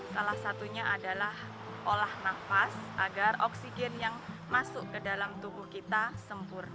salah satunya adalah olah nafas agar oksigen yang masuk ke dalam tubuh kita sempurna